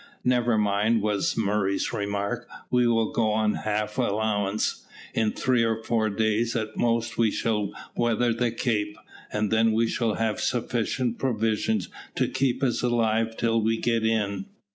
"Never mind," was Murray's remark. "We will go on half allowance. In three or four days at most we shall weather the cape, and then we shall have sufficient provision to keep us alive till we get in."